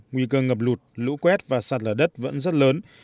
nguy cơ ngập lụt lũ quét và sạt lở đất vẫn rất lớn